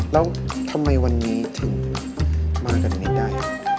แล้วทำไมวันนี้ถึงมาแบบนี้ได้